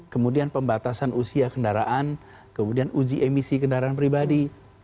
kemudian pembatasan usia kendaraan kemudian uji emisi kendaraan pribadi